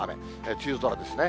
梅雨空ですね。